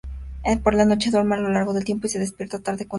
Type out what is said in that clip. Por la noche, duerme largo tiempo y se despierta tarde y con dificultad.